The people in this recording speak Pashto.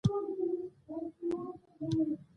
پخو خبرو ته پاملرنه زیاته وي